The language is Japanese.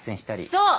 そう！